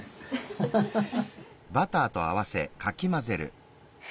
ハハハハ。